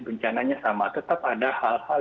bencananya sama tetap ada hal hal